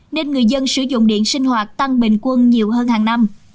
nên người dân sử dụng điện sinh hoạt tăng bình quân nhiều hơn hàng năm